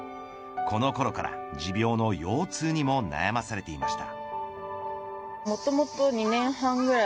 このころから持病の腰痛にも悩まされていました。